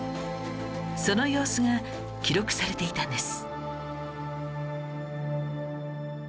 その様子が記録されていたんです